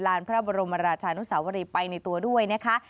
พระบรมราชานุสาวรีไปในตัวด้วยนะคะ